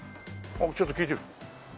あっちょっと聞いてくる。